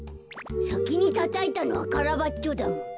さきにたたいたのはカラバッチョだもん。